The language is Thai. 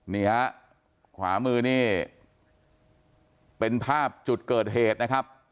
นี่ฮะขวามือนี่เป็นภาพจุดเกิดเหตุนะครับ